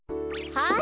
はい。